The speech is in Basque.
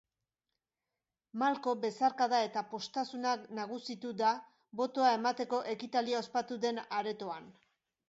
Malko, besarkada eta poztasuna nagusitu da botoa emateko ekitaldia ospatu den aretoan.